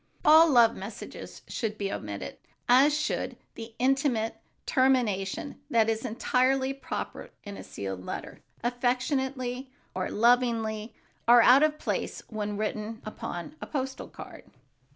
All love messages should be omitted, as should the intimate termination that is entirely proper in a sealed letter. "Affectionately" or "Lovingly" are out of place when written upon a postal card.